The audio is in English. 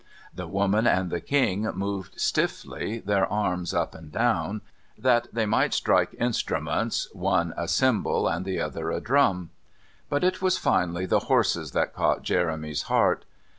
The woman and the king moved stiffly their arms up and down, that they might strike instruments, one a cymbal and the other a drum. But it was finally the horses that caught Jeremy's heart.